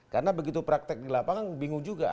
karena begitu praktek di lapangan bingung juga